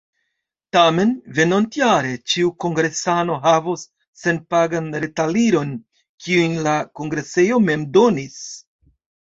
Tamen venontjare ĉiu kongresano havos senpagan retaliron, kiun la kongresejo mem donis.